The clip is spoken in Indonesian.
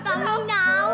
sampai sama pak